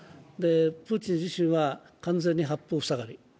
プーチン自身は完全に八方ふさがり。